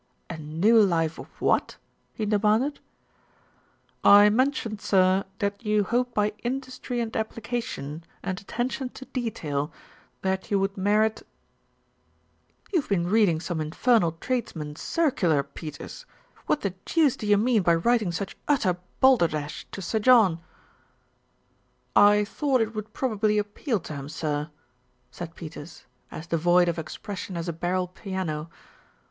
"A new life of what?" he demanded. "I mentioned, sir, that you hoped by industry and application and attention to detail, that you would merit " "You've been reading some infernal tradesman's circular, Peters. What the deuce do you mean by writing such utter balderdash to Sir John?" 258 THE RETURN OF ALFRED "I thought it would probably appeal to him, sir," said Peters, as devoid of expression as a barrel piano.